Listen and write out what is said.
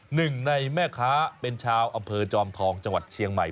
หนึ่งในแม่ค้าเป็นชาวอำเภอจอมทองจังหวัดเชียงใหม่